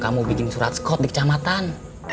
kamu bikin surat skot di kecamatan